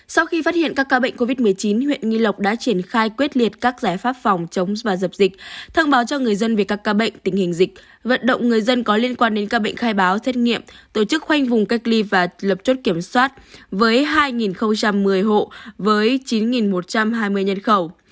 sau khi phát hiện các ca bệnh covid một mươi chín huyện nghi lộc đã triển khai quyết liệt các giải pháp phòng chống và dập dịch thông báo cho người dân về các ca bệnh tình hình dịch vận động người dân có liên quan đến ca bệnh khai báo xét nghiệm tổ chức khoanh vùng cách ly và lập chốt kiểm soát với hai một mươi hộ với chín một trăm hai mươi nhân khẩu